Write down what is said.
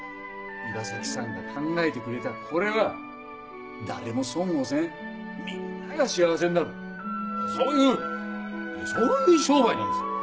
岩崎さんが考えてくれたこれは誰も損をせんみんなが幸せんなるそういうそういう商売なんです！